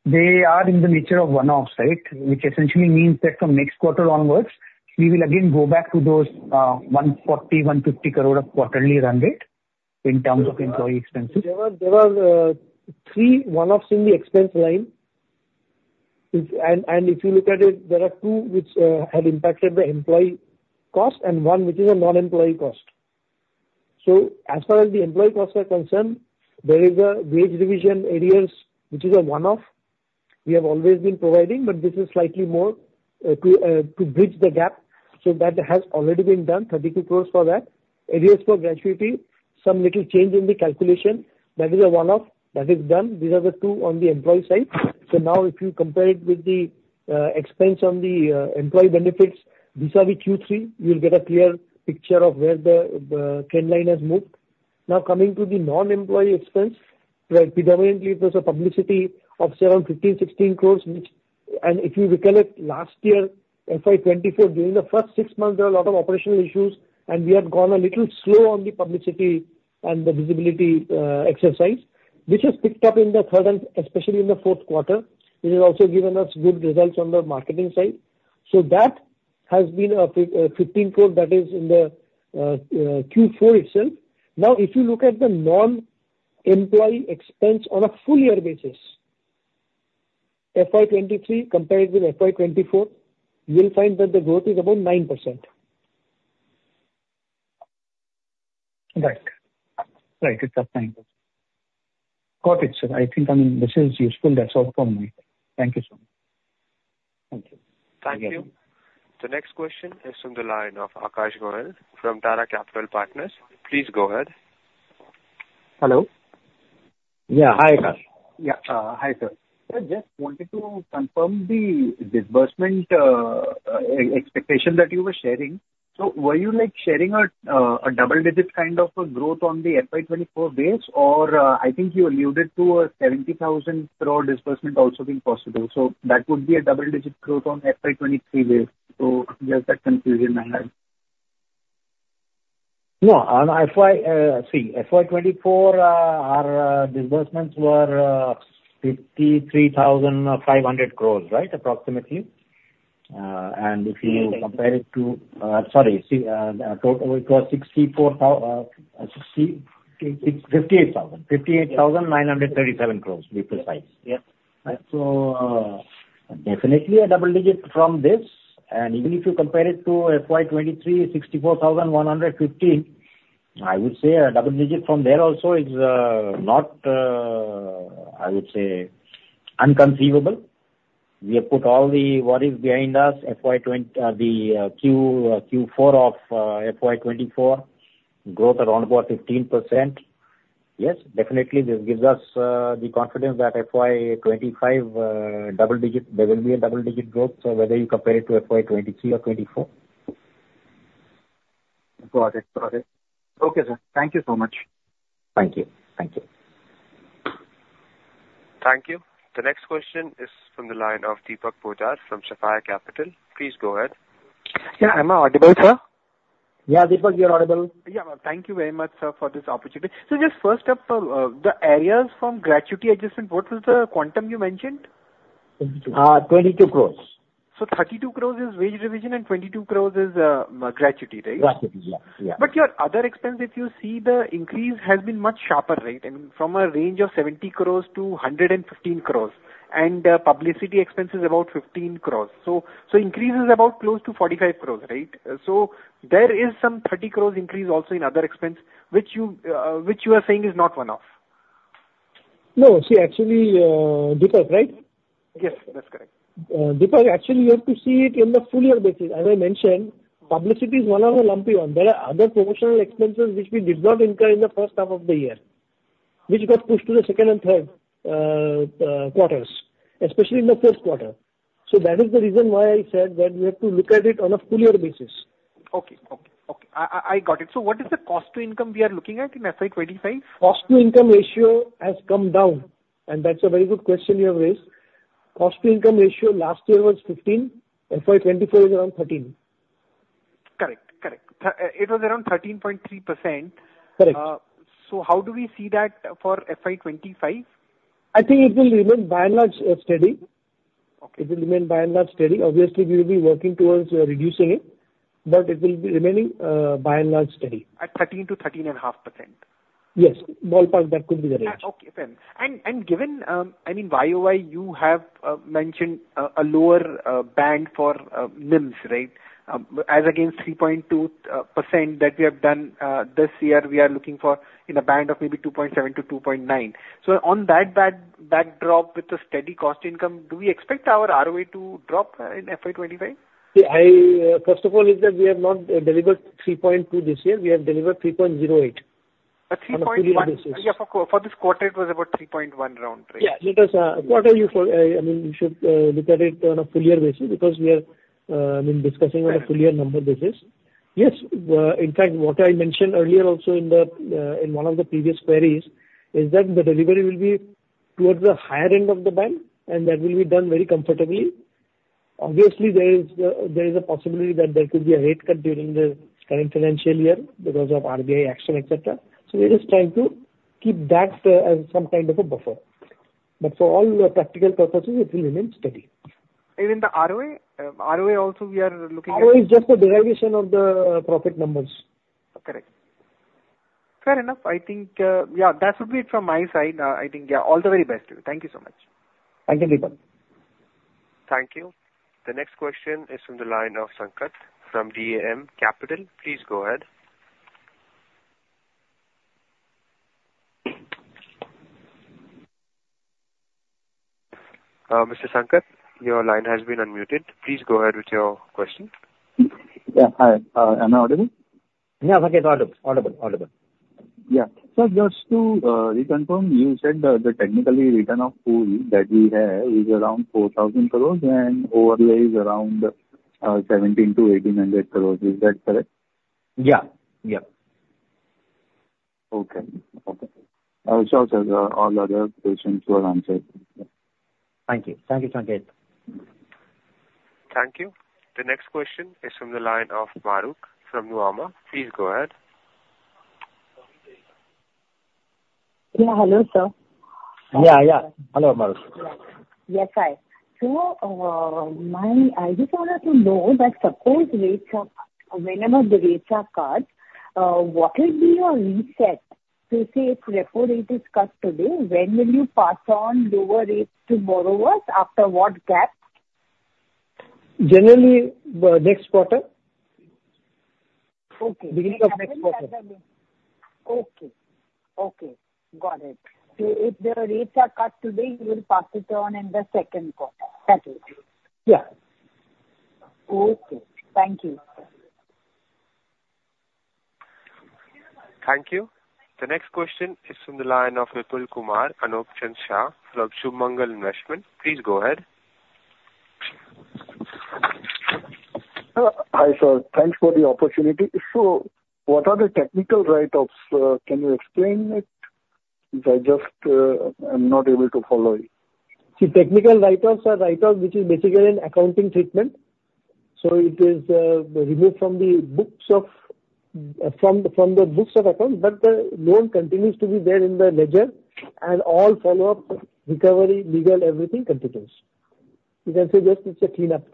they are in the nature of one-offs, right, which essentially means that from next quarter onwards, we will again go back to those 140-150 crore of quarterly run-rate in terms of employee expenses. There were three one-offs in the expense line. And if you look at it, there are two which had impacted the employee cost and one which is a non-employee cost. So as far as the employee costs are concerned, there is a wage revision arising, which is a one-off we have always been providing, but this is slightly more to bridge the gap. So that has already been done, 32 crore for that, arising for gratuity, some little change in the calculation. That is a one-off that is done. These are the two on the employee side. So now, if you compare it with the expense on the employee benefits, these are the Q3, you'll get a clear picture of where the trend line has moved. Now, coming to the non-employee expense, predominantly, it was a publicity of around 15-16 crore, which and if you recollect last year, FY24, during the first six months, there were a lot of operational issues, and we had gone a little slow on the publicity and the visibility exercise, which has picked up in the third and especially in the Q4. It has also given us good results on the marketing side. So that has been a 15 crore that is in the Q4 itself. Now, if you look at the non-employee expense on a full-year basis, FY23 compared with FY24, you'll find that the growth is about 9%. Right. Right. It's that 9%. Got it, sir. I think, I mean, this is useful. That's all from me. Thank you so much. Thank you. Thank you. The next question is from the line of Akash Gohel from Tara Capital Partners. Please go ahead. Hello? Hi, Akash. Hi, sir. Sir, just wanted to confirm the disbursement expectation that you were sharing. So were you sharing a double-digit growth on the FY24 base, or I think you alluded to a 70,000 crore disbursement also being possible. So that would be a double-digit growth on FY23 base. So just that confusion I had. No. See, FY24, our disbursements were 53,500 crore, right, approximately. And if you compare it to—sorry. See, total, it was 58,000. 58,937 crore, be precise. So definitely, a double-digit from this. And even if you compare it to FY23, 64,115 crore, I would say a double-digit from there also is not, I would say, unconceivable. We have put all the worries behind us. The Q4 of FY24, growth around about 15%. Yes, definitely, this gives us the confidence that FY25, there will be a double-digit growth whether you compare it to FY23 or 2024. Got it, sir. Thank you so much. Thank you. Thank you. Thank you. The next question is from the line of Deepak Poddar from Sapphire Capital. Please go ahead. Am I audible, sir? Deepak, you're audible. Thank you very much, sir, for this opportunity. So just first up, the areas from gratuity adjustment, what was the quantum you mentioned? 22 crores. So 32 crores is wage revision, and 22 crores is gratuity, right? Gratuity.. But your other expense, if you see the increase has been much sharper, right, I mean, from 70 crore to 115 crore. And publicity expense is about 15 crore. So increase is about close to 45 crore, right? So there is some 30 crore increase also in other expense, which you are saying is not one-off. No, see, actually, Deepak, right? Yes. That's correct. Deepak, actually, you have to see it in the full-year basis. As I mentioned, publicity is one of the lumpy ones. There are other promotional expenses which we did not incur in the H1 of the year, which got pushed to the second and Q3s, especially in the Q4. So that is the reason why I said that you have to look at it on a full-year basis. I got it. So what is the cost-to-income we are looking at in FY25? Cost-to-Income Ratio has come down. That's a very good question you have raised. Cost-to-Income Ratio last year was 15. FY24 is around 13. Correct. Correct. It was around 13.3%. So how do we see that for FY2025? I think it will remain by and large steady. It will remain by and large steady. Obviously, we will be working towards reducing it, but it will be remaining by and large steady. At 13%-13.5%? Yes. Ballpark, that could be the range. Fair. And given, I mean, YOY, you have mentioned a lower band for NIMS, right, as against 3.2% that we have done this year, we are looking for in a band of maybe 2.7%-2.9%. So on that backdrop with the steady cost-income, do we expect our ROA to drop in FY2025? See, first of all, is that we have not delivered 3.2 this year. We have delivered 3.08 on a full-year basis. At 3.1? For this quarter, it was about 3.1 round, right? I mean, you should look at it on a full-year basis because we are, I mean, discussing on a full-year number basis. Yes. In fact, what I mentioned earlier also in one of the previous queries is that the delivery will be towards the higher end of the band, and that will be done very comfortably. Obviously, there is a possibility that there could be a rate cut during the current financial year because of RBI action, etc. So we're just trying to keep that as some a buffer. But for all practical purposes, it will remain steady. In the ROA, ROA also, we are looking at. ROA is just the derivation of the profit numbers. Correct. Fair enough. I think that would be it from my side. I think all the very best to you. Thank you so much. Thank you, Deepak. Thank you. The next question is from the line of Sanket from DAM Capital. Please go ahead. Mr. Sanket, your line has been unmuted. Please go ahead with your question. Hi. Am I audible? It's audible. Audible. Audible. Sir, just to reconfirm, you said the technical write-off pool that we have is around 4,000 crore and overlay is around 1,700-1,800 crore. Is that correct? Yeah. Sure, sir. All other questions were answered. Thank you, Sanket. Thank you. The next question is from the line of Mahrukh from Nuvama. Please go ahead. Hello, sir. Hello, Mahrukh. Yes. Hi. So I just wanted to know that suppose whenever the rates are cut, what will be your reset? So say if repo rate is cut today, when will you pass on lower rates to borrowers? After what gap? Generally, next quarter. Beginning of next quarter. Got it. So if the rates are cut today, you will pass it on in the Q2. That is? Yeah. Thank you. Thank you. The next question is from the line of Kapil Kumar and Apsin Shah from Shubh Mangal Investment. Please go ahead. Hi, sir. Thanks for the opportunity. So what are the technical write-offs? Can you explain it? I just am not able to follow it. See, technical write-offs are write-offs which is basically an accounting treatment. So it is removed from the books of accounts, but the loan continues to be there in the ledger, and all follow-ups, recovery, legal, everything continues. You can say just it's a cleanup.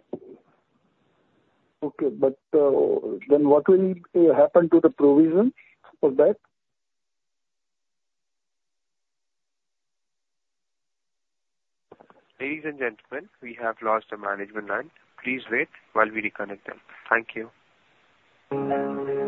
But then what will happen to the provision for that? Ladies and gentlemen, we have lost a management line. Please wait while we reconnect them. Thank you. Sorry. Hello? Hello. Yes. Yes, sir.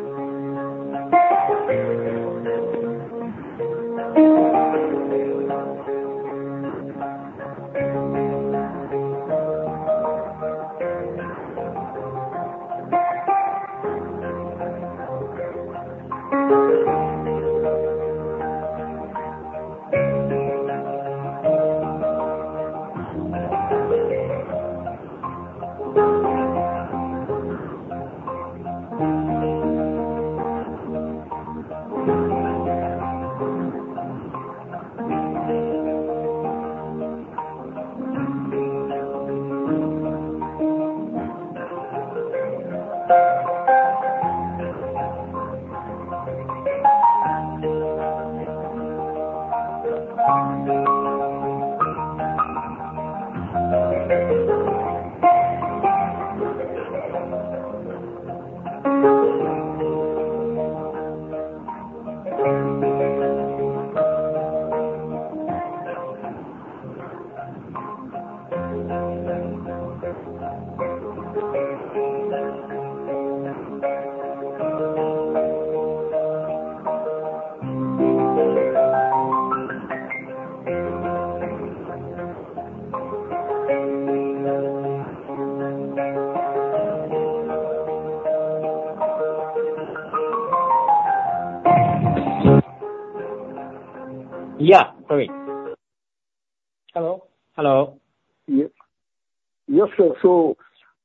So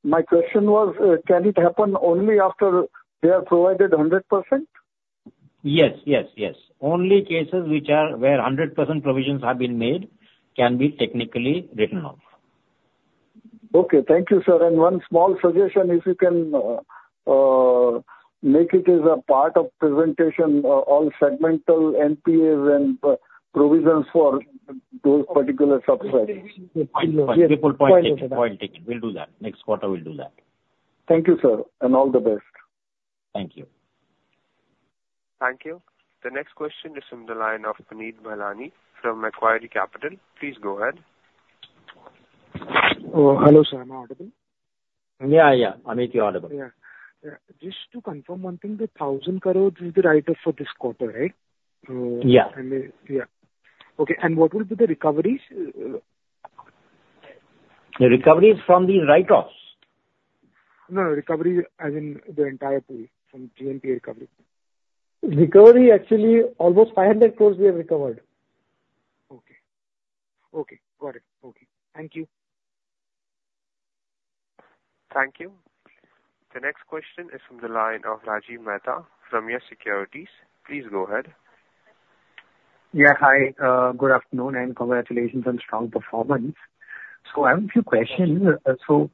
my question was, can it happen only after they are provided 100%? Yes. Yes. Yes. Only cases where 100% provisions have been made can be technically written off. Thank you, sir. One small suggestion, if you can make it as a part of presentation, all segmental NPAs and provisions for those particular sub-segments. We'll do that. Next quarter, we'll do that. Thank you, sir. All the best. Thank you. Thank you. The next question is from the line of Puneet Bhallani from Equirus Capital. Please go ahead. Hello, sir. Am I audible? Amit, you're audible. Just to confirm one thing, the 1,000 crore is the write-off for this quarter, right? Yeah. And what will be the recoveries? The recoveries from the write-offs? No, recovery, as in the entire pool from GNP recovery. Recovery, actually, almost 500 crore we have recovered. Got it. Thank you. Thank you. The next question is from the line of Rajiv Mehta from YES Securities. Please go ahead. Good afternoon and congratulations on strong performance. I have a few questions. So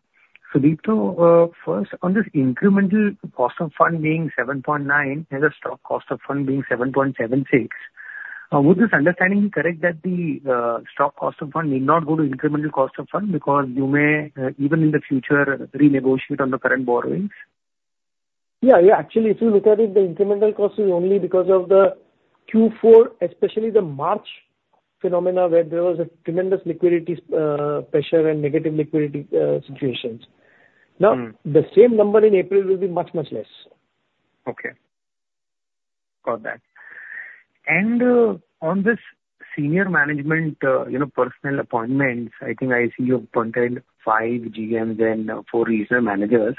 Sudipto, first, on this incremental cost of fund being 7.9% and the stock cost of fund being 7.76%, would this understanding be correct that the stock cost of fund may not go to incremental cost of fund because you may, even in the future, renegotiate on the current borrowings? Actually, if you look at it, the incremental cost is only because of the Q4, especially the March phenomena where there was a tremendous liquidity pressure and negative liquidity situations. Now, the same number in April will be much, much less. Got that. On this senior management personnel appointments, I think I see you appointed 5 GMs and 4 regional managers.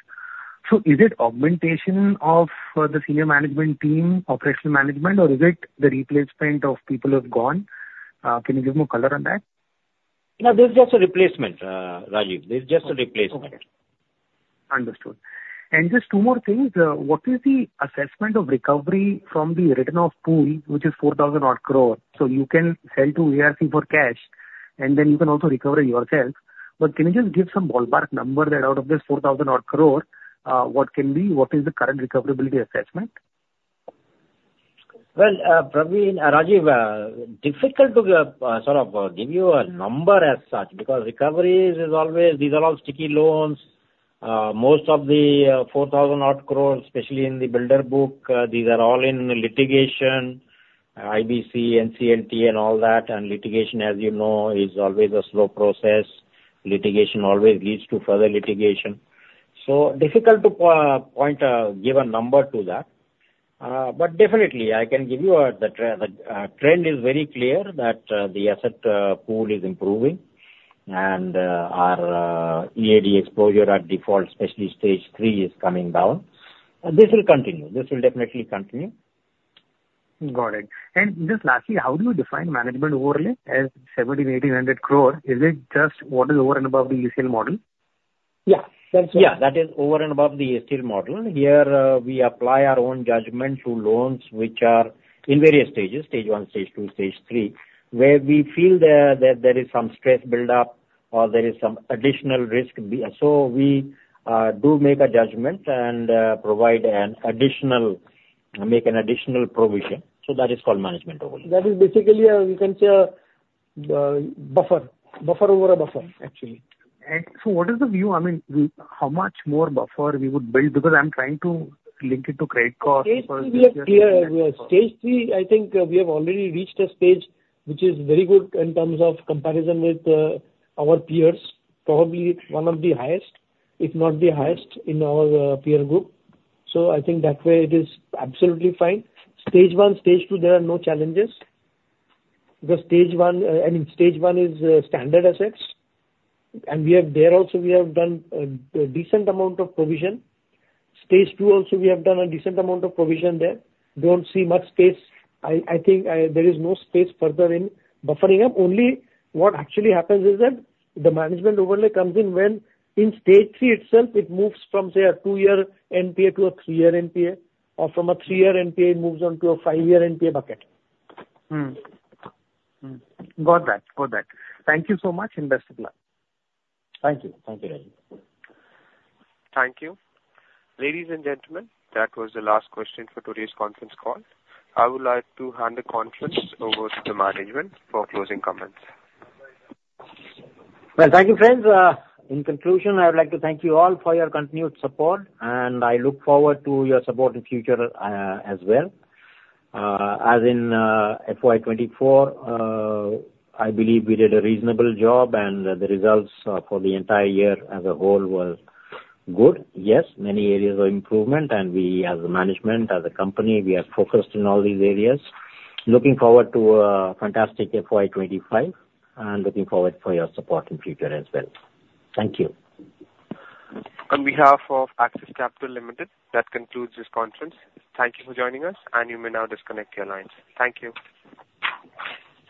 Is it augmentation of the senior management team, operational management, or is it the replacement of people who have gone? Can you give more color on that? No. This is just a replacement, Rajiv. This is just a replacement. Understood. And just two more things. What is the assessment of recovery from the return of pool, which is 4,000-odd crore? So you can sell to ARC for cash, and then you can also recover it yourself. But can you just give some ballpark number that out of this 4,000-odd crore, what is the current recoverability assessment? Praveen, Rajiv, difficult to give you a number as such because recoveries is always these are all sticky loans. Most of the 4,000-odd crore, especially in the builder book, these are all in litigation, IBC, NCLT, and all that. And litigation, as you know, is always a slow process. Litigation always leads to further litigation. So difficult to point a given number to that. But definitely, I can give you the trend is very clear that the asset pool is improving, and our EAD exposure at default, especially stage three, is coming down. This will continue. This will definitely continue. Got it. Just lastly, how do you define Management Overlay as 1,700-1,800 crore? Is it just what is over and above the ECL model? That is over and above the ECL model. Here, we apply our own judgment to loans which are in various stages, stage one, stage two, stage three, where we feel that there is some stress buildup or there is some additional risk. So we do make a judgment and provide an additional provision. So that is called management overlay. That is basically you can say a buffer. Buffer over a buffer, actually. And so what is the view? I mean, how much more buffer we would build because I'm trying to link it to credit cost. Stage Three, I think we have already reached a stage which is very good in terms of comparison with our peers, probably one of the highest, if not the highest, in our peer group. So I think that way, it is absolutely fine. Stage One, Stage Two, there are no challenges because Stage One I mean, Stage One is standard assets, and there also, we have done a decent amount of provision. Stage Two, also, we have done a decent amount of provision there. Don't see much space. I think there is no space further in buffering up. Only what actually happens is that the Management Overlay comes in when in Stage Three itself, it moves from, say, a 2-year NPA to a 3-year NPA, or from a 3-year NPA, it moves on to a 5-year NPA bucket. Got that. Got that. Thank you so much and best of luck. Thank you. Thank you, Rajiv. Thank you. Ladies and gentlemen, that was the last question for today's conference call. I would like to hand the conference over to the management for closing comments. Thank you, friends. In conclusion, I would like to thank you all for your continued support, and I look forward to your support in future as well. As in FY24, I believe we did a reasonable job, and the results for the entire year as a whole were good. Yes, many areas of improvement, and we, as a management, as a company, we are focused in all these areas. Looking forward to a fantastic FY25 and looking forward for your support in future as well. Thank you. On behalf of Axis Capital Limited, that concludes this conference. Thank you for joining us, and you may now disconnect your lines. Thank you.